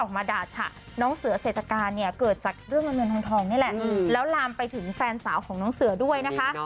แล้วลามไปถึงแฟนสาวของน้องเสือด้วยนะคะ